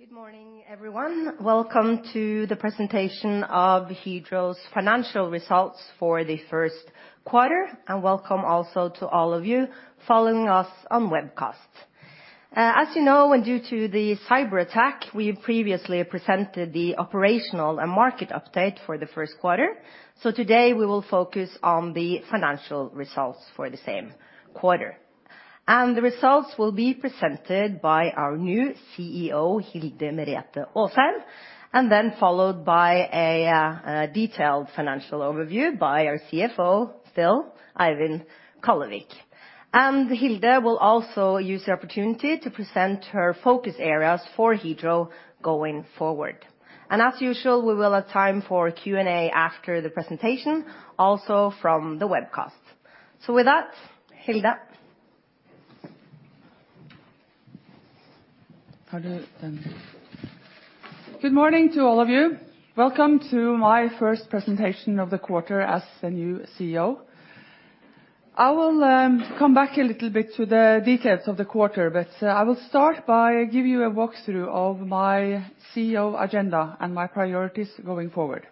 Good morning, everyone. Welcome to the presentation of Hydro's financial results for the first quarter, and welcome also to all of you following us on webcast. As you know, due to the cyber attack, we previously presented the operational and market update for the first quarter. Today, we will focus on the financial results for the same quarter. The results will be presented by our new CEO, Hilde Merete Aasheim, then followed by a detailed financial overview by our CFO, still, Eivind Kallevik. Hilde will also use the opportunity to present her focus areas for Hydro going forward. As usual, we will have time for Q&A after the presentation, also from the webcast. With that, Hilde. Good morning to all of you. Welcome to my first presentation of the quarter as the new CEO. I will come back a little bit to the details of the quarter, but I will start by giving you a walkthrough of my CEO agenda and my priorities going forward.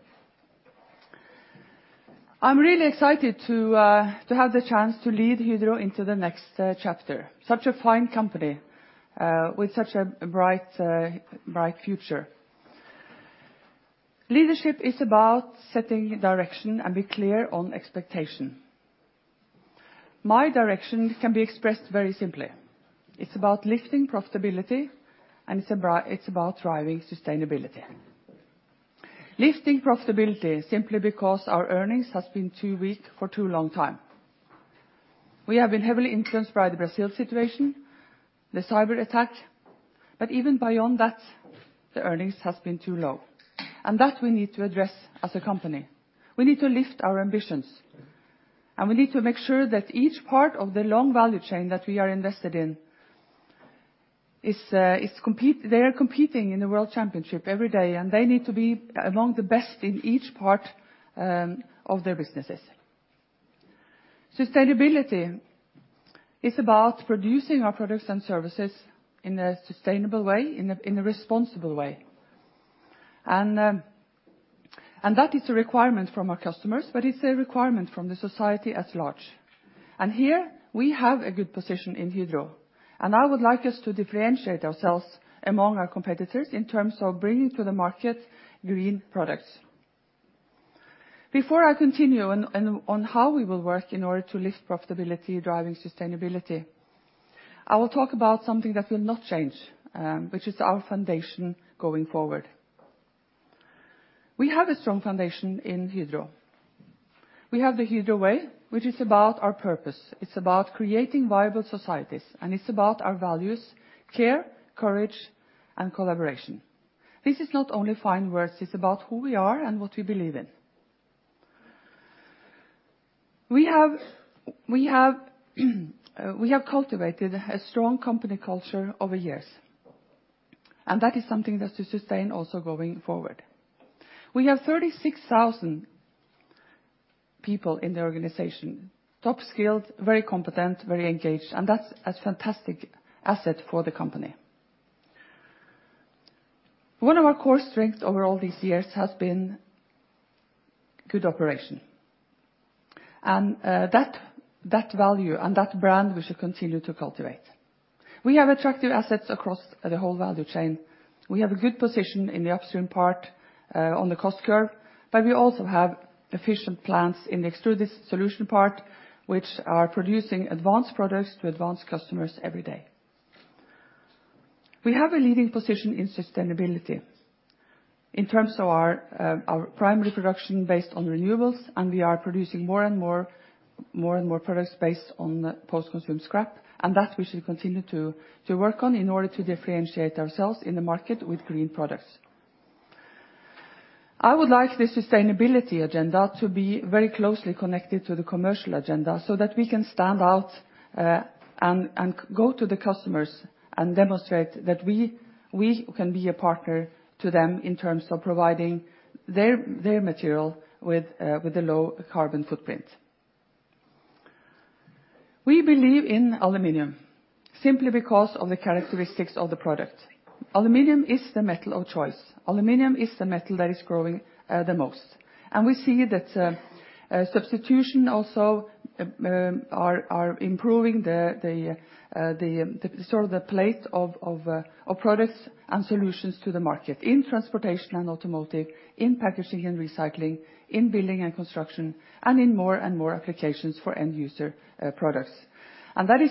I'm really excited to have the chance to lead Hydro into the next chapter, such a fine company with such a bright future. Leadership is about setting direction and being clear on expectation. My direction can be expressed very simply. It's about lifting profitability, and it's about driving sustainability. Lifting profitability, simply because our earnings has been too weak for too long a time. We have been heavily influenced by the Brazil situation, the cyber attack, but even beyond that, the earnings has been too low. That we need to address as a company. We need to lift our ambitions, and we need to make sure that each part of the long value chain that we are invested in, they are competing in the world championship every day, and they need to be among the best in each part of their businesses. Sustainability is about producing our products and services in a sustainable way, in a responsible way. That is a requirement from our customers, but it's a requirement from the society at large. Here, we have a good position in Hydro, and I would like us to differentiate ourselves among our competitors in terms of bringing to the market green products. Before I continue on how we will work in order to lift profitability, driving sustainability, I will talk about something that will not change, which is our foundation going forward. We have a strong foundation in Hydro. We have the Hydro Way, which is about our purpose. It's about creating viable societies, and it's about our values, care, courage, and collaboration. This is not only fine words, it's about who we are and what we believe in. We have cultivated a strong company culture over years, and that is something that we sustain also going forward. We have 36,000 people in the organization, top skilled, very competent, very engaged, and that's a fantastic asset for the company. One of our core strengths over all these years has been good operation. That value and that brand we should continue to cultivate. We have attractive assets across the whole value chain. We have a good position in the upstream part on the cost curve, but we also have efficient plants in the Extruded Solutions part, which are producing advanced products to advanced customers every day. We have a leading position in sustainability in terms of our primary production based on renewables, we are producing more and more products based on post-consumer scrap, that we should continue to work on in order to differentiate ourselves in the market with green products. I would like the sustainability agenda to be very closely connected to the commercial agenda so that we can stand out and go to the customers and demonstrate that we can be a partner to them in terms of providing their material with a low carbon footprint. We believe in aluminum simply because of the characteristics of the product. Aluminum is the metal of choice. Aluminum is the metal that is growing the most. We see that substitution also are improving the palette of products and solutions to the market in transportation and automotive, in packaging and recycling, in building and construction, in more and more applications for end user products. That is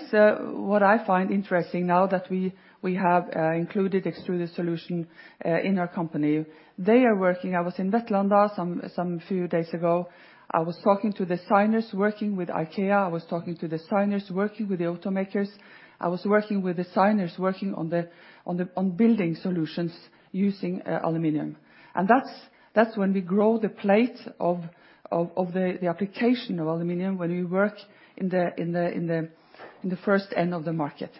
what I find interesting now that we have included Extruded Solutions in our company. I was in Vetlanda some few days ago. I was talking to designers working with IKEA. I was talking to designers working with the automakers. I was working with designers working on building solutions using aluminum. That's when we grow the palette of the application of aluminum when we work in the first end of the market.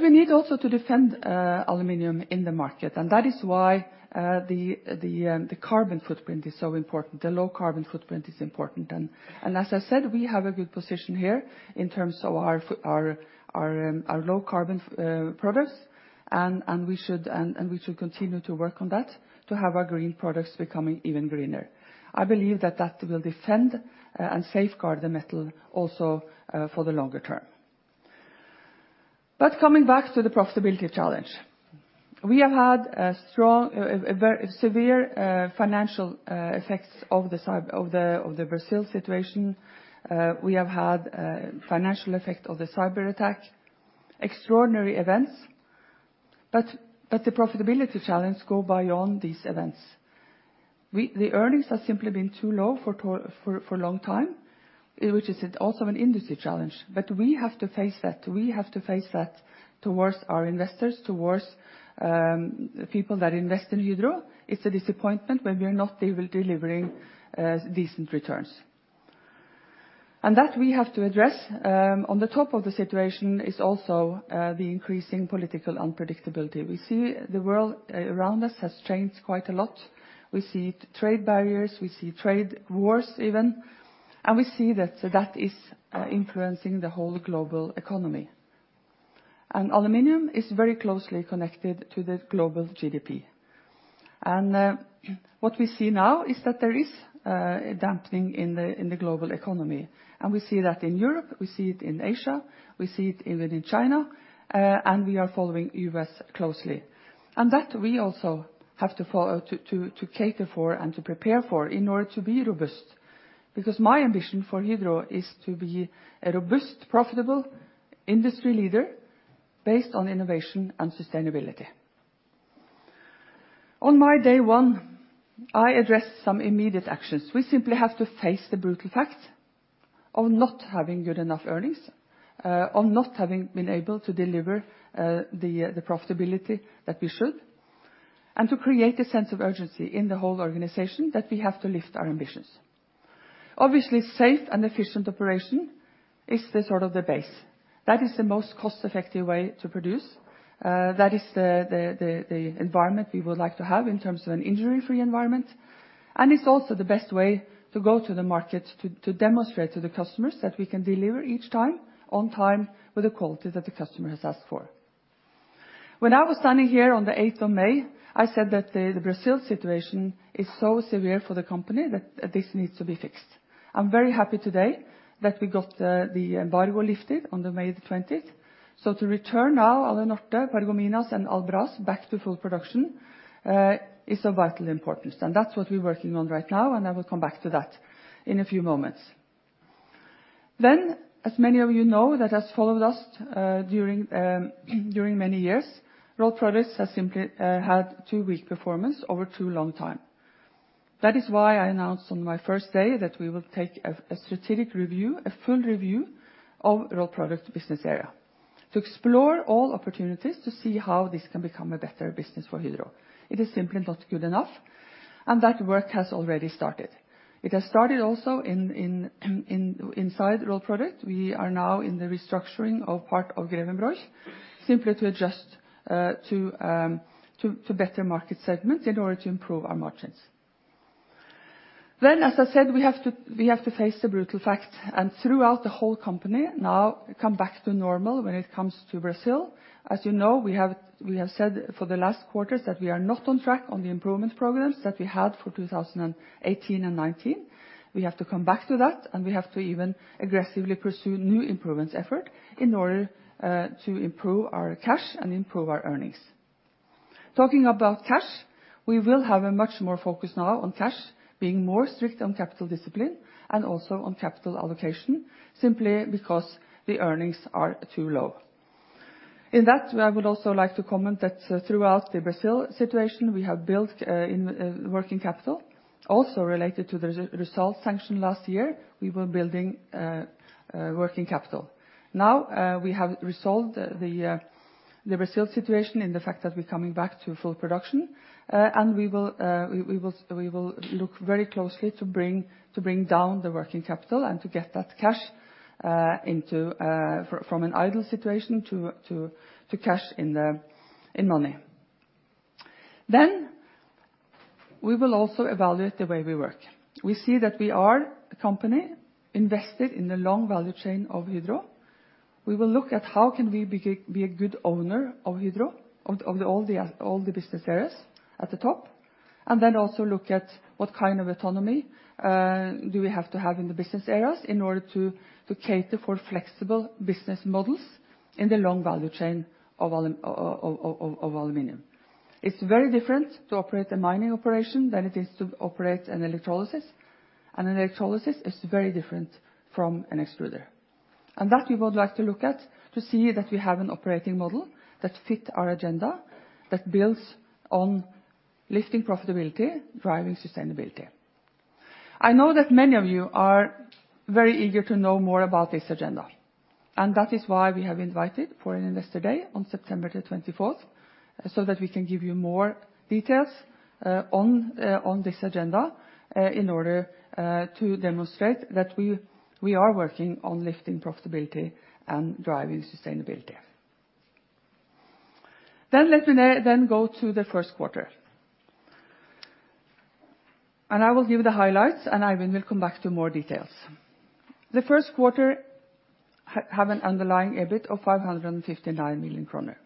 We need also to defend aluminum in the market, that is why the carbon footprint is so important. The low carbon footprint is important. As I said, we have a good position here in terms of our low carbon products we should continue to work on that to have our green products becoming even greener. I believe that will defend and safeguard the metal also for the longer term. Coming back to the profitability challenge. We have had a severe financial effects of the Brazil situation. We have had financial effect of the cyber attack, extraordinary events, the profitability challenge go beyond these events. The earnings have simply been too low for long time, which is also an industry challenge. We have to face that. We have to face that towards our investors, towards people that invest in Hydro. It's a disappointment when we are not delivering decent returns. That we have to address. On the top of the situation is also the increasing political unpredictability. We see the world around us has changed quite a lot. We see trade barriers, we see trade wars even, we see that is influencing the whole global economy. Aluminum is very closely connected to the global GDP. What we see now is that there is a dampening in the global economy. We see that in Europe, we see it in Asia, we see it even in China, we are following U.S. closely. That we also have to cater for and to prepare for in order to be robust. Because my ambition for Hydro is to be a robust, profitable industry leader based on innovation and sustainability. On my day one, I addressed some immediate actions. We simply have to face the brutal facts of not having good enough earnings, on not having been able to deliver the profitability that we should, and to create a sense of urgency in the whole organization that we have to lift our ambitions. Obviously, safe and efficient operation is the sort of the base. That is the most cost-effective way to produce. That is the environment we would like to have in terms of an injury-free environment. It's also the best way to go to the market to demonstrate to the customers that we can deliver each time, on time, with the quality that the customer has asked for. When I was standing here on the 8th of May, I said that the Brazil situation is so severe for the company that this needs to be fixed. I'm very happy today that we got the embargo lifted on the May 20th. To return now, Alunorte, Paragominas, and Albras back to full production is of vital importance, and that's what we're working on right now, and I will come back to that in a few moments. As many of you know, that has followed us during many years, Rolled Products has simply had too weak performance over too long time. That is why I announced on my first day that we will take a strategic review, a full review of Rolled Products business area to explore all opportunities to see how this can become a better business for Hydro. It is simply not good enough, and that work has already started. It has started also inside Rolled Products. We are now in the restructuring of part of Grevenbroich, simply to adjust to better market segments in order to improve our margins. As I said, we have to face the brutal fact, and throughout the whole company now come back to normal when it comes to Brazil. As you know, we have said for the last quarters that we are not on track on the improvement programs that we had for 2018 and 2019. We have to come back to that, and we have to even aggressively pursue new improvements effort in order to improve our cash and improve our earnings. Talking about cash, we will have a much more focus now on cash being more strict on capital discipline and also on capital allocation, simply because the earnings are too low. In that, I would also like to comment that throughout the Brazil situation, we have built working capital. Also related to the result sanction last year, we were building working capital. We have resolved the Brazil situation in the fact that we're coming back to full production, and we will look very closely to bring down the working capital and to get that cash from an idle situation to cash in money. We will also evaluate the way we work. We see that we are a company invested in the long value chain of Hydro. We will look at how can we be a good owner of Hydro, of all the business areas at the top. Also look at what kind of autonomy do we have to have in the business areas in order to cater for flexible business models in the long value chain of aluminum. It's very different to operate a mining operation than it is to operate an electrolysis, and an electrolysis is very different from an extruder. That we would like to look at to see that we have an operating model that fit our agenda, that builds on lifting profitability, driving sustainability. I know that many of you are very eager to know more about this agenda, and that is why we have invited for an Investor Day on September the 24th. That we can give you more details on this agenda in order to demonstrate that we are working on lifting profitability and driving sustainability. Let me then go to the first quarter. I will give the highlights, and Eivind will come back to more details. The first quarter have an underlying EBIT of 559 million kroner.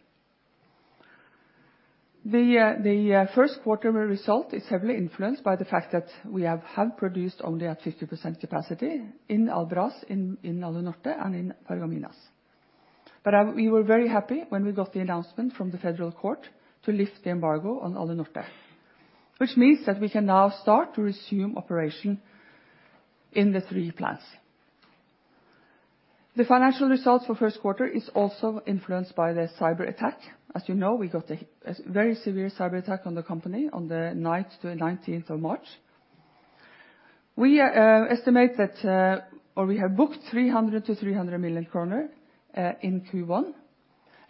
The first quarter result is heavily influenced by the fact that we have produced only at 50% capacity in Albras, in Alunorte and in Paragominas. We were very happy when we got the announcement from the federal court to lift the embargo on Alunorte, which means that we can now start to resume operation in the three plants. The financial results for first quarter is also influenced by the cyber attack. As you know, we got a very severe cyber attack on the 9th to 19th of March. We estimate that, or we have booked 300 million-300 million kroner, in Q1.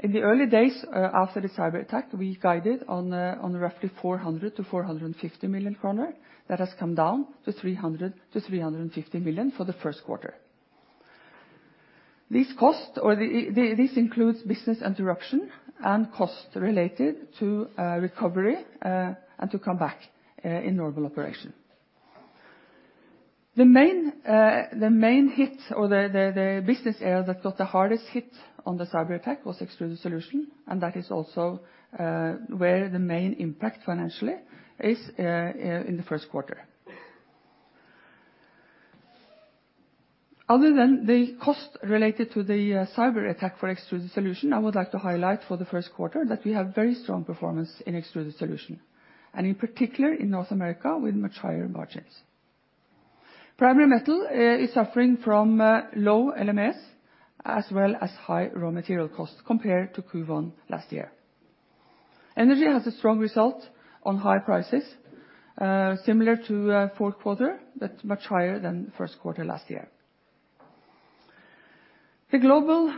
In the early days, after the cyber attack, we guided on roughly 400 million-450 million kroner. That has come down to 300 million-350 million for the first quarter. This includes business interruption and cost related to recovery, and to come back in normal operation. The main hit or the business area that got the hardest hit on the cyber attack was Extruded Solutions. That is also where the main impact financially is in the first quarter. Other than the cost related to the cyber attack for Extruded Solutions, I would like to highlight for the first quarter that we have very strong performance in Extruded Solutions, and in particular in North America with much higher margins. Primary Metal is suffering from low LME as well as high raw material costs compared to Q1 last year. Energy has a strong result on high prices, similar to fourth quarter, but much higher than first quarter last year. The global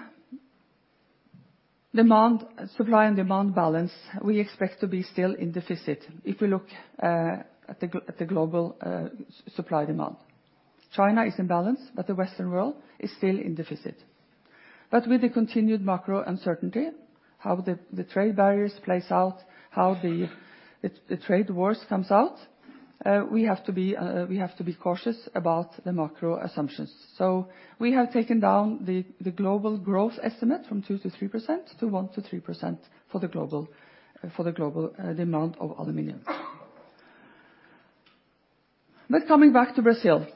supply and demand balance we expect to be still in deficit if we look at the global supply demand. China is in balance, but the Western world is still in deficit. With the continued macro uncertainty, how the trade barriers plays out, how the trade wars comes out, we have to be cautious about the macro assumptions. We have taken down the global growth estimate from 2%-3% to 1%-3% for the global demand of aluminum. Coming back to Brazil.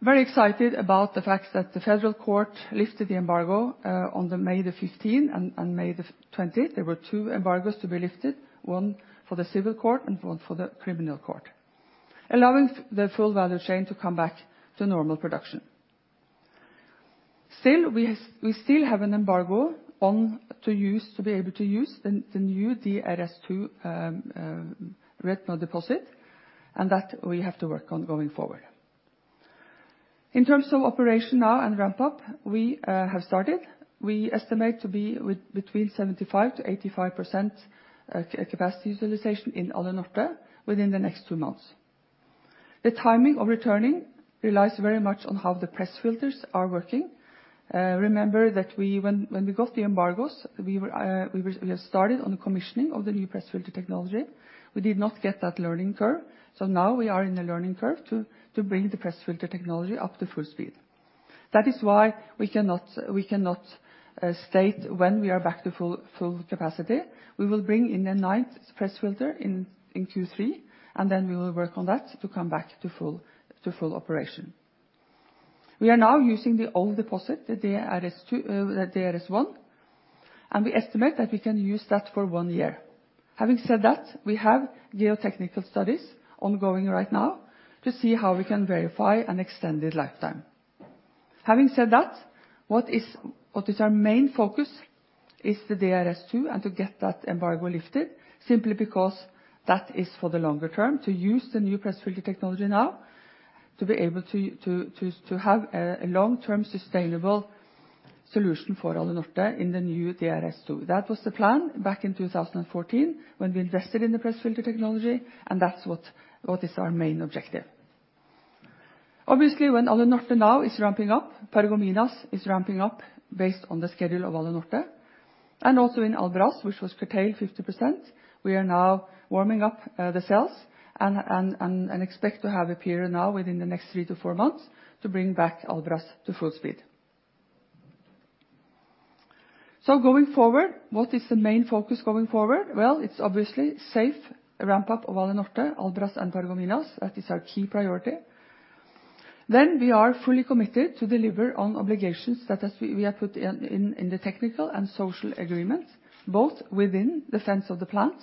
Very excited about the fact that the federal court lifted the embargo on the May the 15th and May the 20th. There were two embargoes to be lifted, one for the civil court and one for the criminal court, allowing the full value chain to come back to normal production. We still have an embargo on to be able to use the new DRS2 red mud deposit. That we have to work on going forward. In terms of operation now and ramp up, we have started. We estimate to be between 75%-85% capacity utilization in Alunorte within the next two months. The timing of returning relies very much on how the press filters are working. Remember that when we got the embargoes, we have started on the commissioning of the new press filter technology. We did not get that learning curve. Now we are in the learning curve to bring the press filter technology up to full speed. That is why we cannot state when we are back to full capacity. We will bring in a ninth press filter in Q3. Then we will work on that to come back to full operation. We are now using the old deposit, the DRS1. We estimate that we can use that for one year. Having said that, we have geotechnical studies ongoing right now to see how we can verify an extended lifetime. Having said that, what is our main focus is the DRS2. To get that embargo lifted simply because that is for the longer term to use the new press filter technology now to be able to have a long-term sustainable solution for Alunorte in the new DRS2. That was the plan back in 2014 when we invested in the press filter technology. That is what is our main objective. Obviously, when Alunorte now is ramping up, Paragominas is ramping up based on the schedule of Alunorte. Also in Albras, which was curtailed 50%, we are now warming up the cells and expect to have a period now within the next three to four months to bring back Albras to full speed. Going forward, what is the main focus going forward? It is obviously safe ramp-up of Alunorte, Albras and Paragominas. That is our key priority. We are fully committed to deliver on obligations that we have put in the technical and social agreements, both within the fence of the plant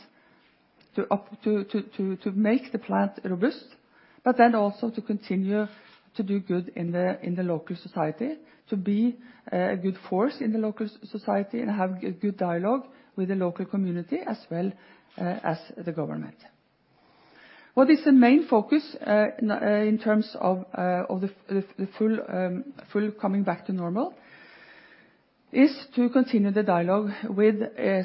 to make the plant robust. Also to continue to do good in the local society, to be a good force in the local society. Have a good dialogue with the local community as well as the government. What is the main focus in terms of the full coming back to normal is to continue the dialogue with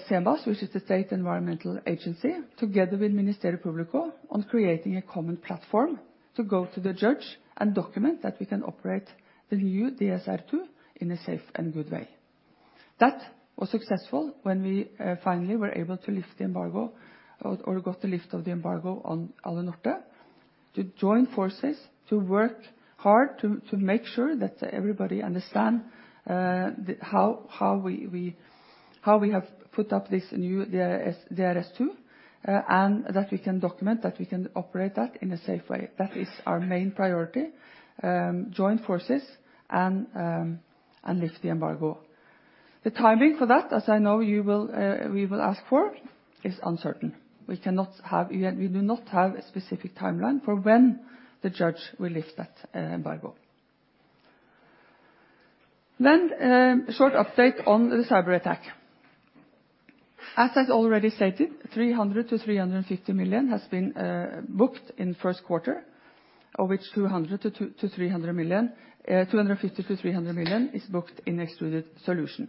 SEMAS, which is the state environmental agency, together with Ministério Público on creating a common platform to go to the judge and document that we can operate the new DRS2 in a safe and good way. That was successful when we finally were able to lift the embargo, or got the lift of the embargo on Alunorte. To join forces to work hard to make sure that everybody understand how we have put up this new DRS2, and that we can document that we can operate that in a safe way. That is our main priority, join forces and lift the embargo. The timing for that, as I know we will ask for, is uncertain. We do not have a specific timeline for when the judge will lift that embargo. A short update on the cyberattack. As I already stated, 300 million to 350 million has been booked in the first quarter, of which 250 million to 300 million is booked in Extruded Solutions.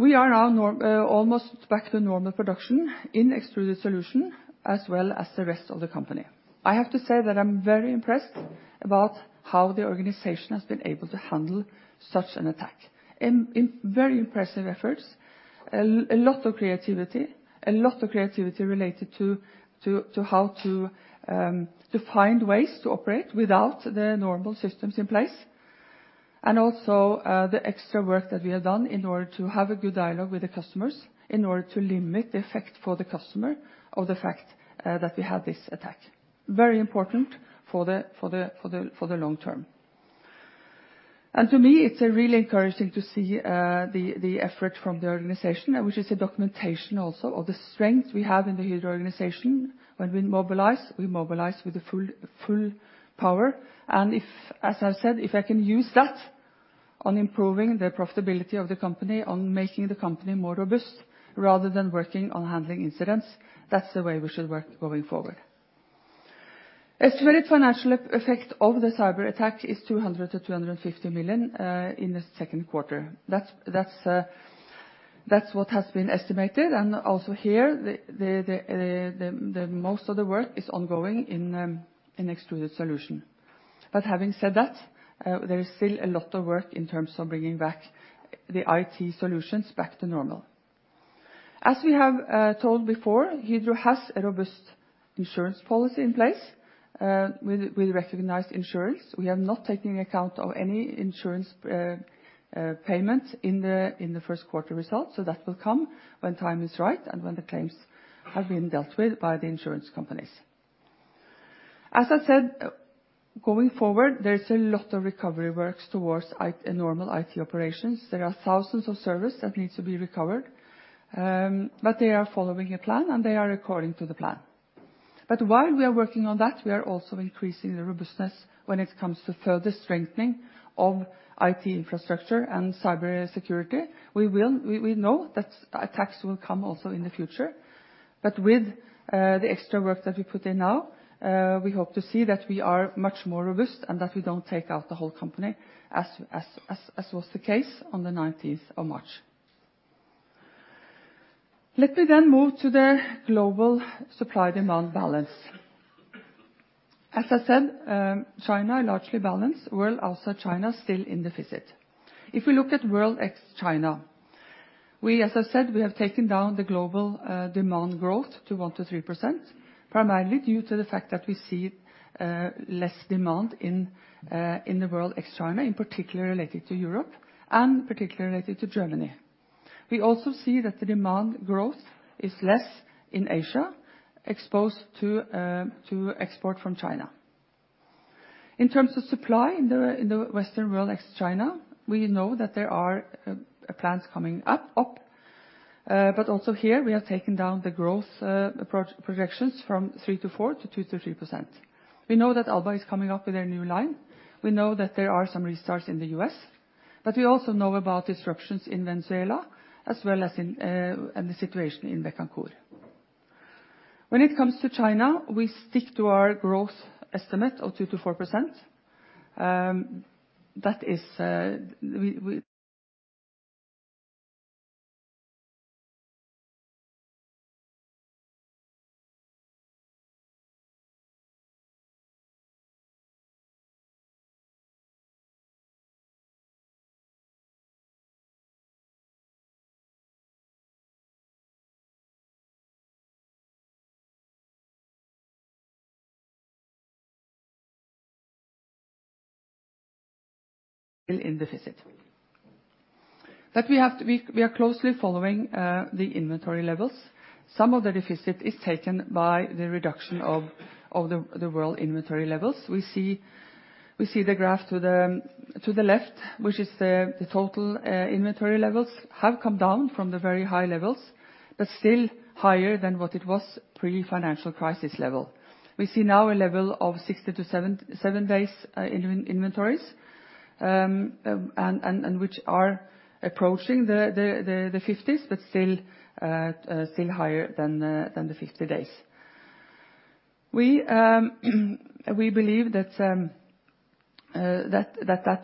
We are now almost back to normal production in Extruded Solutions, as well as the rest of the company. I have to say that I'm very impressed about how the organization has been able to handle such an attack. In very impressive efforts, a lot of creativity related to how to find ways to operate without the normal systems in place, and also the extra work that we have done in order to have a good dialogue with the customers in order to limit the effect for the customer of the fact that we had this attack. Very important for the long term. To me, it's really encouraging to see the effort from the organization, which is a documentation also of the strength we have in the Hydro organization. When we mobilize, we mobilize with the full power. As I said, if I can use that on improving the profitability of the company, on making the company more robust, rather than working on handling incidents, that's the way we should work going forward. Estimated financial effect of the cyberattack is 200 million to 250 million in the second quarter. That's what has been estimated, and also here, the most of the work is ongoing in Extruded Solutions. Having said that, there is still a lot of work in terms of bringing back the IT solutions back to normal. As we have told before, Hydro has a robust insurance policy in place with recognized insurance. We have not taken account of any insurance payments in the first quarter results, that will come when time is right and when the claims have been dealt with by the insurance companies. As I said, going forward, there's a lot of recovery works towards a normal IT operations. There are thousands of servers that needs to be recovered. They are following a plan, and they are recording to the plan. While we are working on that, we are also increasing the robustness when it comes to further strengthening of IT infrastructure and cybersecurity. We know that attacks will come also in the future. With the extra work that we put in now, we hope to see that we are much more robust and that we don't take out the whole company as was the case on the 19th of March. Let me then move to the global supply-demand balance. As I said, China largely balanced. World outside China still in deficit. If we look at world ex-China, as I said, we have taken down the global demand growth to 1%-3%, primarily due to the fact that we see less demand in the world ex-China, in particular related to Europe and particularly related to Germany. We also see that the demand growth is less in Asia, exposed to export from China. In terms of supply in the western world ex-China, we know that there are plans coming up. Also here we are taking down the growth projections from 3%-4% to 2%-3%. We know that Alba is coming up with a new line. We know that there are some restarts in the U.S., but we also know about disruptions in Venezuela as well as in the situation in Bécancour. When it comes to China, we stick to our growth estimate of 2%-4%. That is still in deficit. We are closely following the inventory levels. Some of the deficit is taken by the reduction of the world inventory levels. We see the graph to the left, which is the total inventory levels have come down from the very high levels, but still higher than what it was pre-financial crisis level. We see now a level of 60-70 days inventories, and which are approaching the 50s, but still higher than the 50 days. We believe that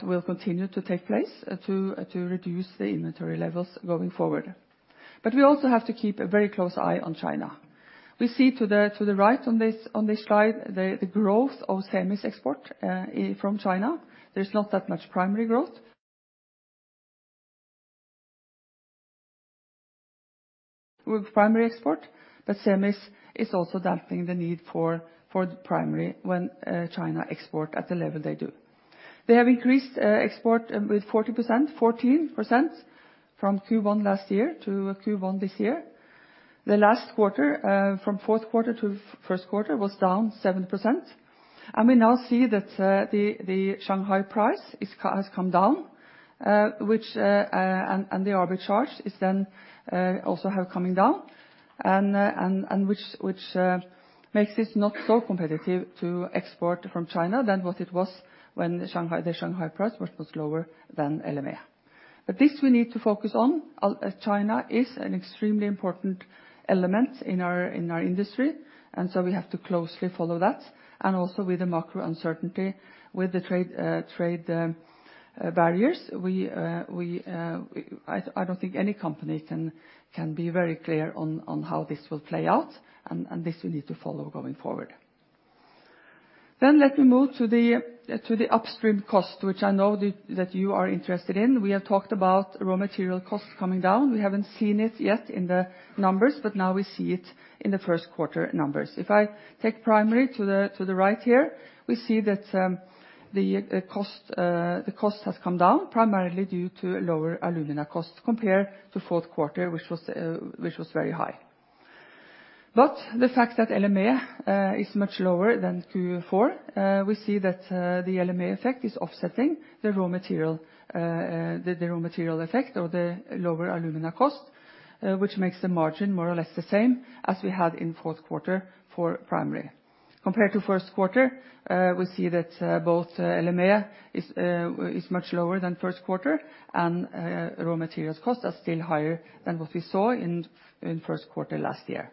will continue to take place to reduce the inventory levels going forward. We also have to keep a very close eye on China. We see to the right on this slide, the growth of semis export from China. There's not that much primary growth. With primary export, but semis is also dampening the need for primary when China export at the level they do. They have increased export with 14% from Q1 last year to Q1 this year. The last quarter, from fourth quarter to first quarter, was down 7%. We now see that the Shanghai price has come down, the arbitrage is then also coming down, which makes it not so competitive to export from China than what it was when the Shanghai price was much lower than LME. This we need to focus on. China is an extremely important element in our industry, we have to closely follow that. Also with the macro uncertainty, with the trade barriers, I don't think any company can be very clear on how this will play out. This we need to follow going forward. Let me move to the upstream cost, which I know that you are interested in. We have talked about raw material costs coming down. We haven't seen it yet in the numbers, but now we see it in the first quarter numbers. If I take primary to the right here, we see that the cost has come down, primarily due to lower alumina costs compared to fourth quarter, which was very high. The fact that LME is much lower than Q4, we see that the LME effect is offsetting the raw material effect of the lower alumina cost, which makes the margin more or less the same as we had in fourth quarter for primary. Compared to first quarter, we see that both LME is much lower than first quarter, and raw materials costs are still higher than what we saw in first quarter last year.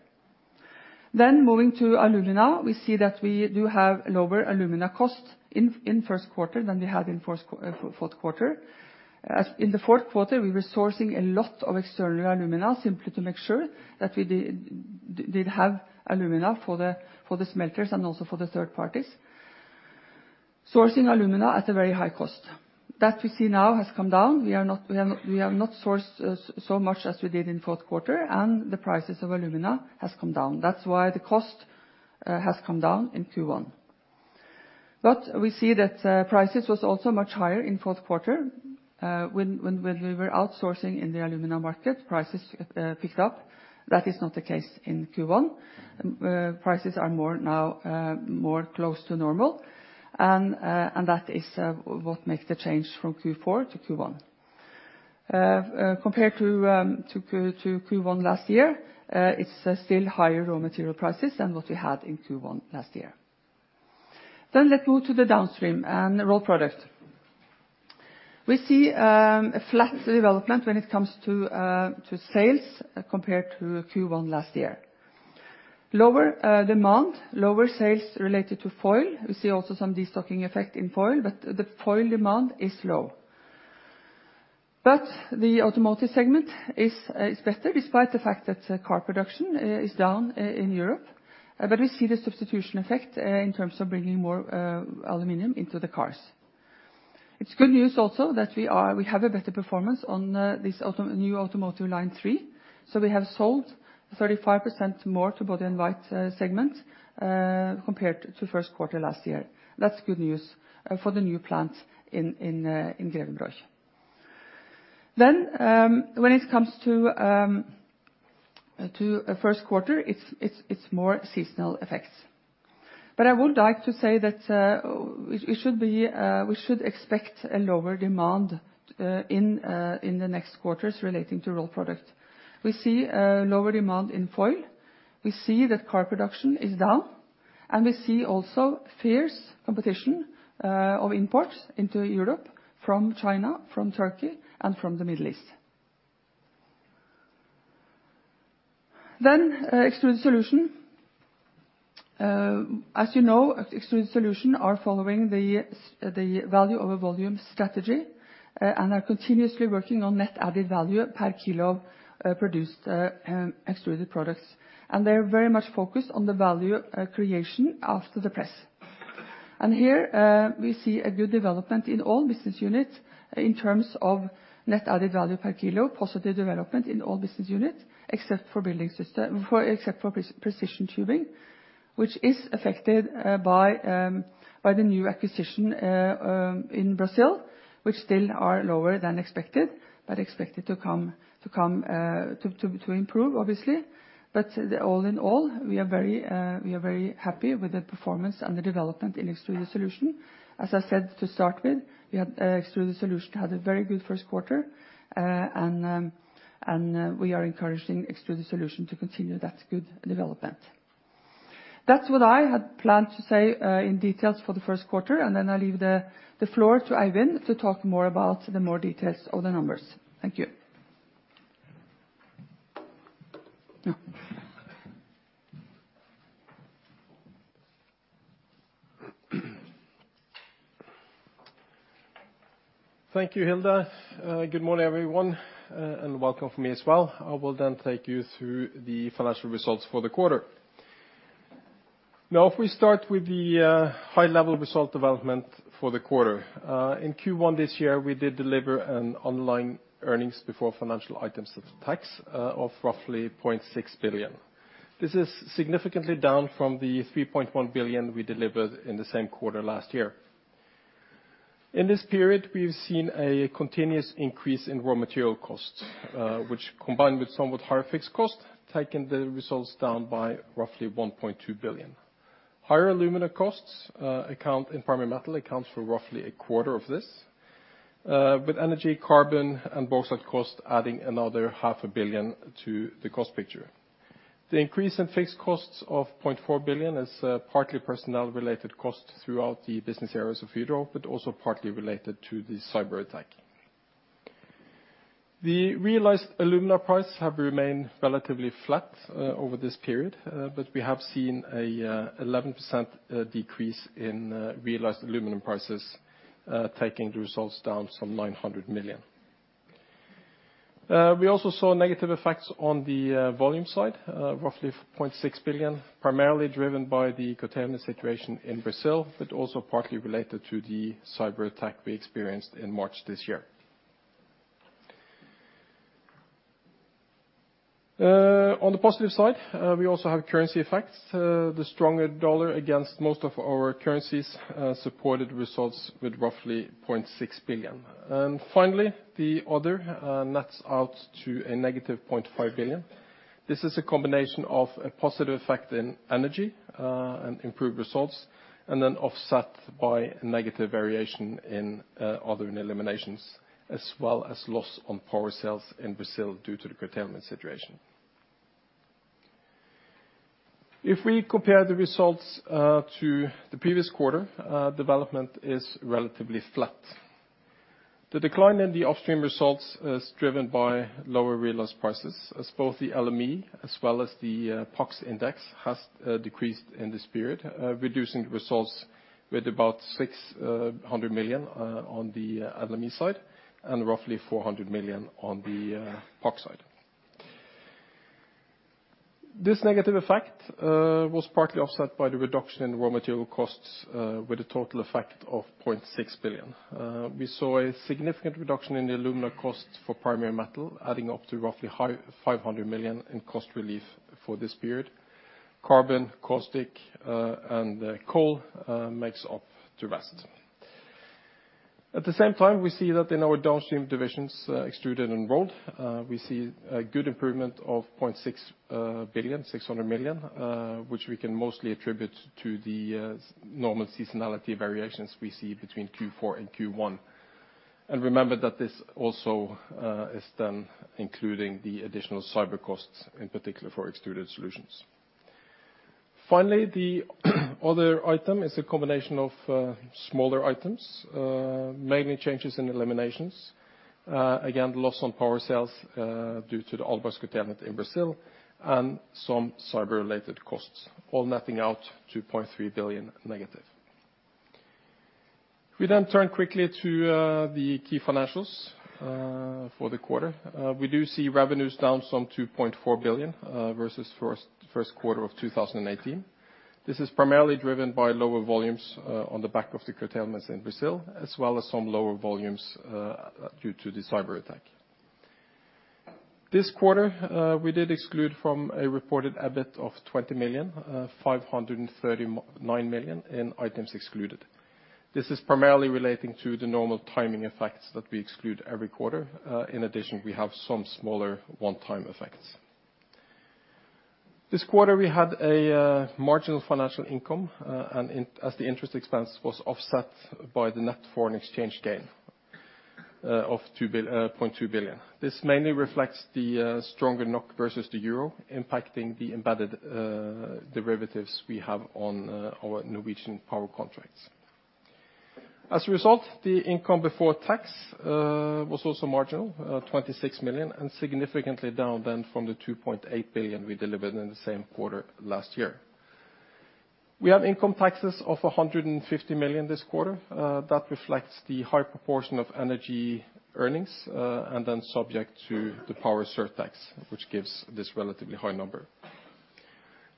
Moving to alumina, we see that we do have lower alumina cost in first quarter than we had in fourth quarter. In the fourth quarter, we were sourcing a lot of external alumina, simply to make sure that we did have alumina for the smelters and also for the third parties. Sourcing alumina at a very high cost. That we see now has come down. We have not sourced so much as we did in fourth quarter, and the prices of alumina has come down. That's why the cost has come down in Q1. We see that prices was also much higher in fourth quarter. When we were outsourcing in the alumina market, prices picked up. That is not the case in Q1. Prices are more now close to normal, and that is what makes the change from Q4 to Q1. Compared to Q1 last year, it's still higher raw material prices than what we had in Q1 last year. Let's move to the downstream and Rolled Products. We see a flat development when it comes to sales compared to Q1 last year. Lower demand, lower sales related to foil. We see also some de-stocking effect in foil, but the foil demand is low. The automotive segment is better, despite the fact that car production is down in Europe. We see the substitution effect in terms of bringing more aluminum into the cars. It's good news also that we have a better performance on this new automotive line three. We have sold 35% more to body-in-white segment compared to first quarter last year. That's good news for the new plant in Grevenbroich. When it comes to first quarter, it's more seasonal effects. I would like to say that we should expect a lower demand in the next quarters relating to Rolled Products. We see a lower demand in foil. We see that car production is down, and we see also fierce competition of imports into Europe from China, from Turkey, and from the Middle East. Extruded Solutions. As you know, Extruded Solutions are following the value over volume strategy and are continuously working on net added value per kilo of produced extruded products. They're very much focused on the value creation after the press. Here we see a good development in all business units in terms of net added value per kilo, positive development in all business units except for Precision Tubing, which is affected by the new acquisition in Brazil, which still are lower than expected, but expected to improve, obviously. All in all, we are very happy with the performance and the development in Extruded Solutions. As I said to start with, Extruded Solutions had a very good first quarter, and we are encouraging Extruded Solutions to continue that good development. That's what I had planned to say in details for the first quarter. I leave the floor to Eivind to talk more about the more details of the numbers. Thank you. Thank you, Hilde. Good morning, everyone, and welcome from me as well. I will take you through the financial results for the quarter. If we start with the high-level result development for the quarter. In Q1 this year, we did deliver an underlying earnings before financial items and tax of roughly 0.6 billion. This is significantly down from the 3.1 billion we delivered in the same quarter last year. In this period, we've seen a continuous increase in raw material costs, which combined with somewhat higher fixed cost, taken the results down by roughly 1.2 billion. Higher alumina costs in Primary Metal accounts for roughly a quarter of this, with energy, carbon, and bauxite cost adding another NOK half a billion to the cost picture. The increase in fixed costs of 0.4 billion is partly personnel-related cost throughout the business areas of Hydro, but also partly related to the cyber attack. The realized alumina prices have remained relatively flat over this period, but we have seen an 11% decrease in realized aluminum prices, taking the results down some 900 million. We also saw negative effects on the volume side, roughly 0.6 billion, primarily driven by the curtailment situation in Brazil, but also partly related to the cyber attack we experienced in March this year. On the positive side, we also have currency effects. The stronger dollar against most of our currencies supported results with roughly 0.6 billion. Finally, the other nets out to a negative 0.5 billion. This is a combination of a positive effect in energy, and improved results, and then offset by a negative variation in other eliminations, as well as loss on power sales in Brazil due to the curtailment situation. If we compare the results to the previous quarter, development is relatively flat. The decline in the upstream results is driven by lower realized prices as both the LME as well as the PAX index has decreased in this period, reducing the results with about 600 million on the LME side and roughly 400 million on the PAX side. This negative effect was partly offset by the reduction in raw material costs, with a total effect of 0.6 billion. We saw a significant reduction in the alumina costs for Primary Metal, adding up to roughly 500 million in cost relief for this period. Carbon, caustic, and coal makes up the rest. At the same time, we see that in our downstream divisions, Extruded and Rolled, we see a good improvement of 0.6 billion, 600 million, which we can mostly attribute to the normal seasonality variations we see between Q4 and Q1. Remember that this also is then including the additional cyber costs, in particular for Extruded Solutions. Finally, the other item is a combination of smaller items, mainly changes in eliminations. Again, loss on power sales due to the Albras curtailment in Brazil and some cyber-related costs, all netting out 2.3 billion negative. We turn quickly to the key financials for the quarter. We do see revenues down some 2.4 billion versus first quarter of 2018. This is primarily driven by lower volumes on the back of the curtailments in Brazil, as well as some lower volumes due to the cyber attack. This quarter, we did exclude from a reported EBIT of 20 million, 539 million in items excluded. This is primarily relating to the normal timing effects that we exclude every quarter. In addition, we have some smaller one-time effects. This quarter, we had a marginal financial income as the interest expense was offset by the net foreign exchange gain of 0.2 billion. This mainly reflects the stronger NOK versus the euro impacting the embedded derivatives we have on our Norwegian power contracts. As a result, the income before tax was also marginal, 26 million, and significantly down then from the 2.8 billion we delivered in the same quarter last year. We have income taxes of 150 million this quarter. That reflects the high proportion of energy earnings, and then subject to the power surtax, which gives this relatively high number.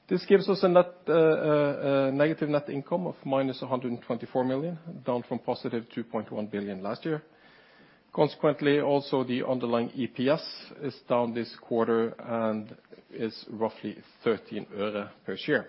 This gives us a negative net income of -124 million, down from positive 2.1 billion last year. Consequently, also, the underlying EPS is down this quarter and is roughly NOK 0.13 per share.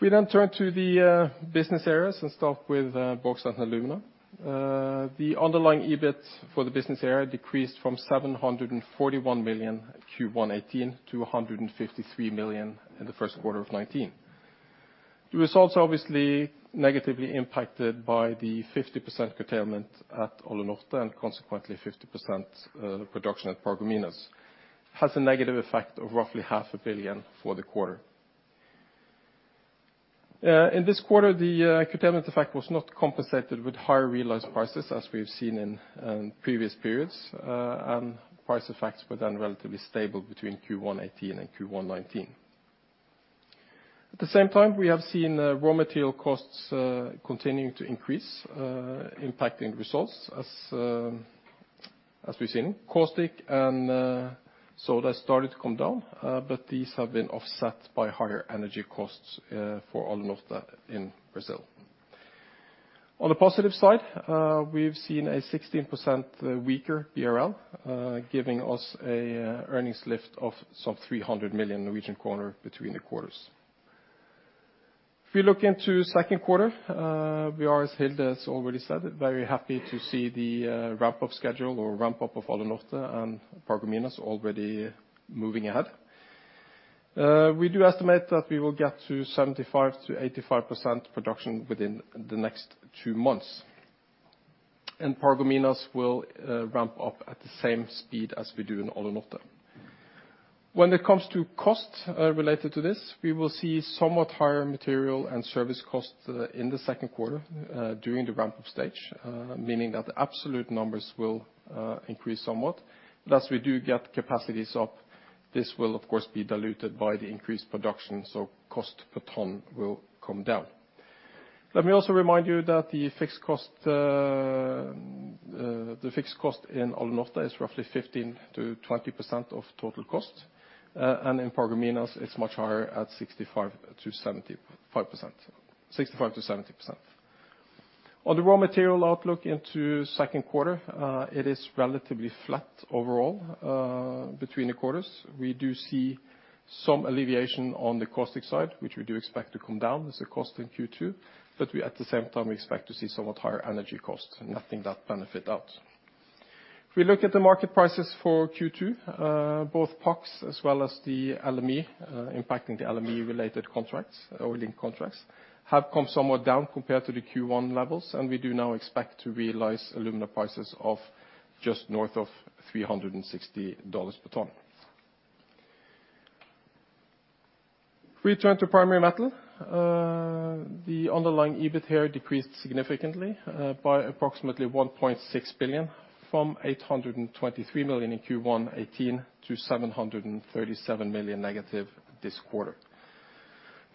We then turn to the business areas and start with Bauxite & Alumina. The underlying EBIT for the business area decreased from 741 million Q1 2018 to 153 million in the first quarter of 2019. The results are obviously negatively impacted by the 50% curtailment at Alunorte and consequently 50% production at Paragominas. Has a negative effect of roughly half a billion for the quarter. In this quarter, the curtailment effect was not compensated with higher realized prices as we've seen in previous periods, and price effects were then relatively stable between Q1 2018 and Q1 2019. At the same time, we have seen raw material costs continuing to increase, impacting results, as we've seen. Caustic and soda has started to come down, but these have been offset by higher energy costs for Alunorte in Brazil. On the positive side, we've seen a 16% weaker BRL, giving us a earnings lift of some 300 million between the quarters. If you look into second quarter, we are, as Hilde has already said, very happy to see the ramp-up schedule or ramp-up of Alunorte and Paragominas already moving ahead. We do estimate that we will get to 75%-85% production within the next two months, and Paragominas will ramp up at the same speed as we do in Alunorte. When it comes to costs related to this, we will see somewhat higher material and service costs in the second quarter during the ramp-up stage, meaning that the absolute numbers will increase somewhat. As we do get capacities up, this will of course be diluted by the increased production, so cost per ton will come down. Let me also remind you that the fixed cost in Alunorte is roughly 15%-20% of total cost. In Paragominas it's much higher at 65%-70%. On the raw material outlook into second quarter, it is relatively flat overall between the quarters. We do see some alleviation on the caustic side, which we do expect to come down as a cost in Q2. We at the same time expect to see somewhat higher energy costs netting that benefit out. We look at the market prices for Q2, both PAX as well as the LME, impacting the LME related contracts or linked contracts, have come somewhat down compared to the Q1 levels. We do now expect to realize alumina prices of just north of $360 per ton. We turn to Primary Metal, the underlying EBIT here decreased significantly by approximately $1.6 billion from $823 million in Q1 2018 to $737 million negative this quarter.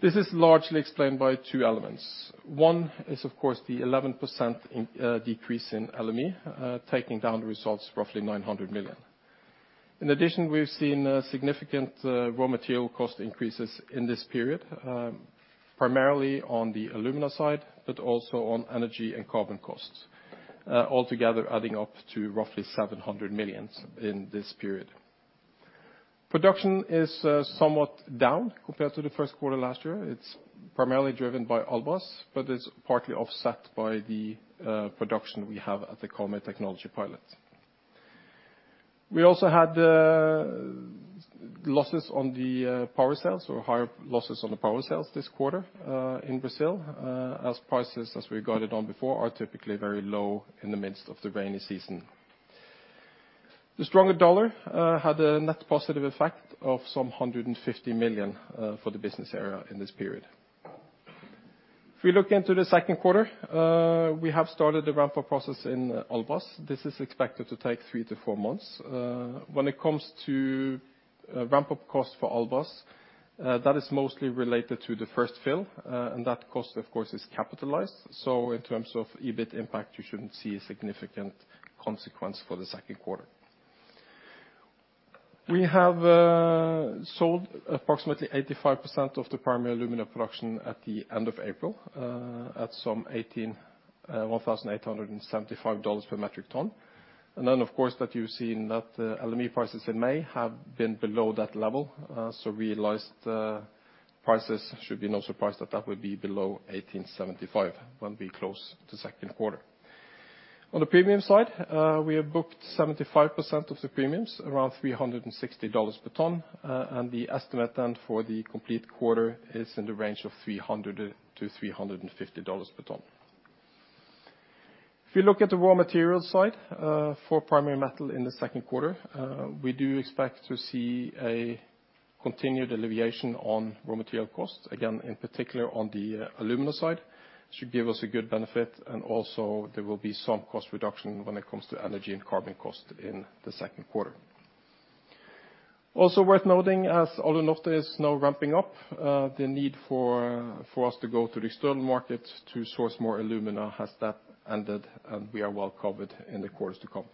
This is largely explained by two elements. One is, of course, the 11% decrease in LME, taking down the results roughly $900 million. In addition, we have seen significant raw material cost increases in this period, primarily on the alumina side, but also on energy and carbon costs, altogether adding up to roughly $700 million in this period. Production is somewhat down compared to the first quarter last year. It is primarily driven by Albras, but it is partly offset by the production we have at the Karmøy Technology pilot. We also had losses on the power sales or higher losses on the power sales this quarter in Brazil, as prices, as we guided on before, are typically very low in the midst of the rainy season. The stronger dollar had a net positive effect of some $150 million for the business area in this period. We look into the second quarter, we have started the ramp-up process in Albras. This is expected to take 3-4 months. When it comes to ramp-up costs for Albras, that is mostly related to the first fill. That cost, of course, is capitalized. In terms of EBIT impact, you should not see a significant consequence for the second quarter. We have sold approximately 85% of the primary alumina production at the end of April, at some $1,875 per metric ton. Of course, that you have seen that LME prices in May have been below that level. Realized prices should be no surprise that that will be below $1,875 when we close the second quarter. On the premium side, we have booked 75% of the premiums, around $360 per ton. The estimate then for the complete quarter is in the range of $300-$350 per ton. You look at the raw material side for Primary Metal in the second quarter, we do expect to see a continued alleviation on raw material costs, again, in particular on the alumina side. It should give us a good benefit. Also there will be some cost reduction when it comes to energy and carbon cost in the second quarter. Also worth noting, as Alunorte is now ramping up, the need for us to go to the external market to source more alumina has that ended. We are well covered in the quarters to come.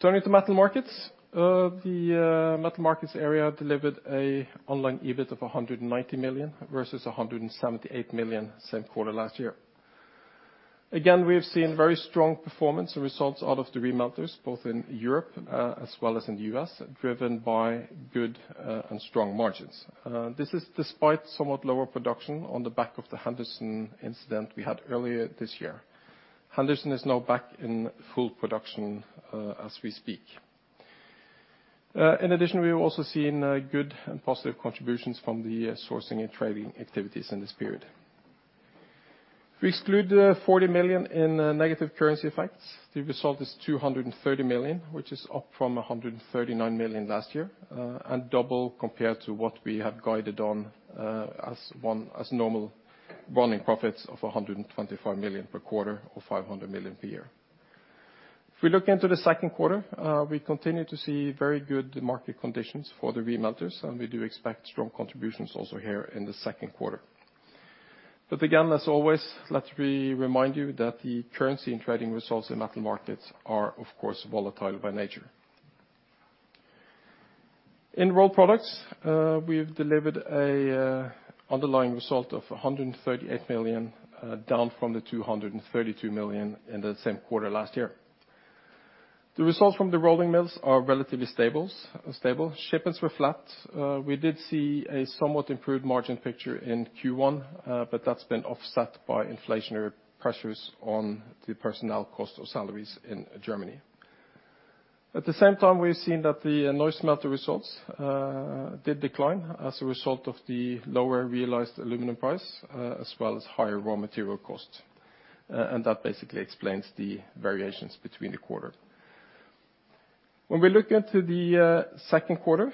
Turning to metal markets. The metal markets area delivered a underlying EBIT of $190 million versus $178 million same quarter last year. Again, we have seen very strong performance and results out of the remelters, both in Europe as well as in the U.S., driven by good and strong margins. This is despite somewhat lower production on the back of the Henderson incident we had earlier this year. Henderson is now back in full production as we speak. In addition, we've also seen good and positive contributions from the sourcing and trading activities in this period. If we exclude 40 million in negative currency effects, the result is 230 million, which is up from 139 million last year, and double compared to what we had guided on as normal running profits of 125 million per quarter, or 500 million per year. If we look into the second quarter, we continue to see very good market conditions for the remelters, and we do expect strong contributions also here in the second quarter. Again, as always, let me remind you that the currency and trading results in metal markets are, of course, volatile by nature. In Rolled Products, we've delivered an underlying result of 138 million, down from 232 million in the same quarter last year. The results from the rolling mills are relatively stable. Shipments were flat. We did see a somewhat improved margin picture in Q1, but that's been offset by inflationary pressures on the personnel cost of salaries in Germany. At the same time, we've seen that the Neuss remelter results did decline as a result of the lower realized aluminum price, as well as higher raw material costs. That basically explains the variations between the quarter. We look into the second quarter,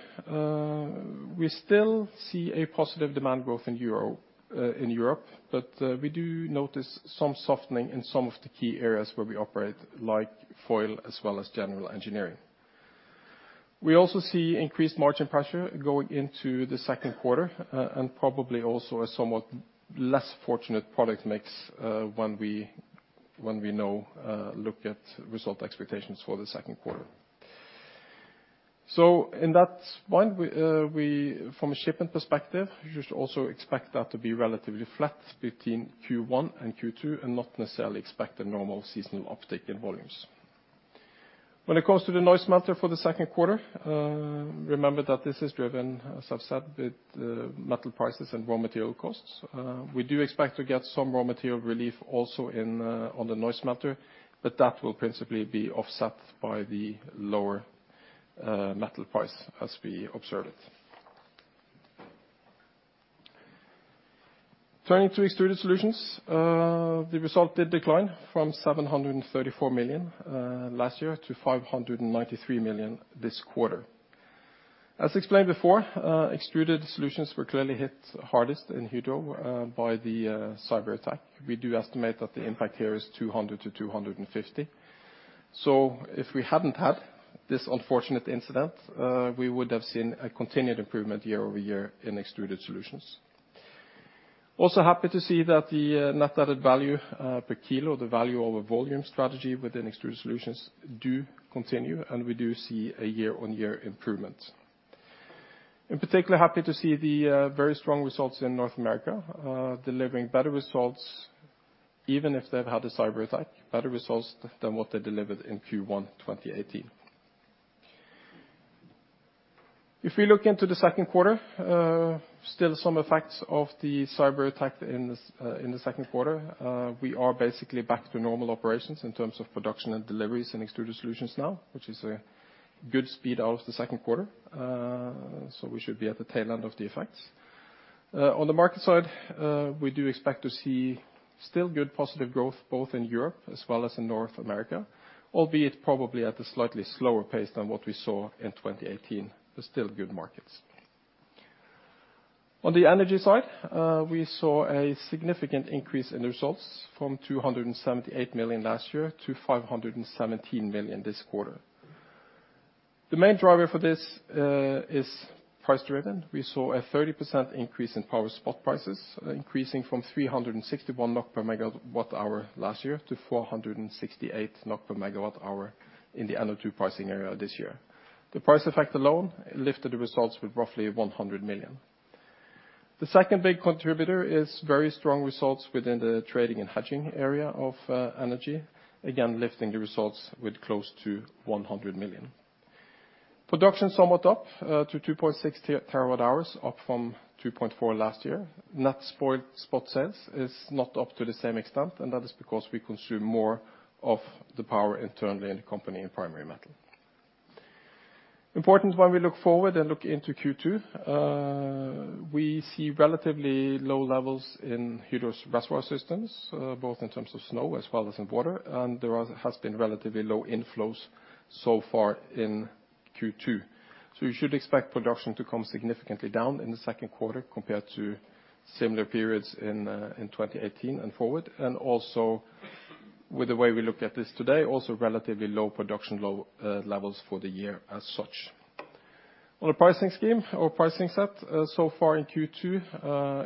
we still see a positive demand growth in Europe, but we do notice some softening in some of the key areas where we operate, like foil as well as general engineering. We also see increased margin pressure going into the second quarter, and probably also a somewhat less fortunate product mix when we now look at result expectations for the second quarter. In that one, from a shipment perspective, you should also expect that to be relatively flat between Q1 and Q2, and not necessarily expect a normal seasonal uptick in volumes. When it comes to the Neuss remelter for the second quarter, remember that this is driven, as I've said, with metal prices and raw material costs. We do expect to get some raw material relief also on the Neuss remelter, but that will principally be offset by the lower metal price as we observe it. Turning to Extruded Solutions, the result did decline from 734 million last year to 593 million this quarter. As explained before, Extruded Solutions were clearly hit hardest in Hydro by the cyber attack. We do estimate that the impact here is 200 million to 250 million. If we hadn't had this unfortunate incident, we would have seen a continued improvement year-over-year in Extruded Solutions. Also happy to see that the net added value per kilo, the value over volume strategy within Extruded Solutions do continue, and we do see a year-on-year improvement. In particular, happy to see the very strong results in North America, delivering better results, even if they've had a cyber attack, better results than what they delivered in Q1 2018. If we look into the second quarter, still some effects of the cyber attack in the second quarter. We are basically back to normal operations in terms of production and deliveries in Extruded Solutions now, which is a good speed out of the second quarter. We should be at the tail end of the effects. On the market side, we do expect to see still good positive growth both in Europe as well as in North America, albeit probably at a slightly slower pace than what we saw in 2018, but still good markets. On the energy side, we saw a significant increase in the results from 278 million last year to 517 million this quarter. The main driver for this is price-driven. We saw a 30% increase in power spot prices, increasing from 361 NOK per megawatt hour last year to 468 NOK per megawatt hour in the NO2 pricing area this year. The price effect alone lifted the results with roughly 100 million. The second big contributor is very strong results within the trading and hedging area of energy, again, lifting the results with close to 100 million. Production somewhat up to 2.6 terawatt hours, up from 2.4 last year. Net spot sales is not up to the same extent, that is because we consume more of the power internally in the company in Primary Metal. Important when we look forward and look into Q2, we see relatively low levels in Hydro's reservoir systems, both in terms of snow as well as in water, there has been relatively low inflows so far in Q2. You should expect production to come significantly down in the second quarter compared to similar periods in 2018 and forward. Also with the way we look at this today, also relatively low production levels for the year as such. On a pricing scheme or pricing set, so far in Q2,